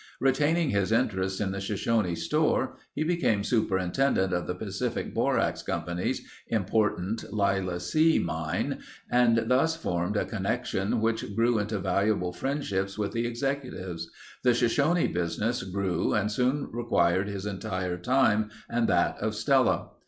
Retaining his interest in the Shoshone store he became superintendent of the Pacific Borax Company's important Lila C. mine and thus formed a connection which grew into valuable friendships with the executives. The Shoshone business grew and soon required his entire time and that of Stella.